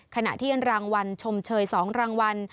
ขณะที่รางวัลชมเชย๒รางวัล